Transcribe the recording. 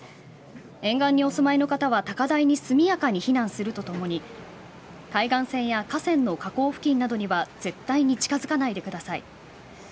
沿岸にお住まいの方は高台に速やかに避難するとともに海岸線や河川の河口付近などには絶対に近づかないでください。